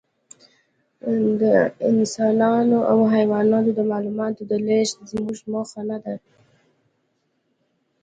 د انسانانو او حیواناتو د معلوماتو لېږد زموږ موخه نهده.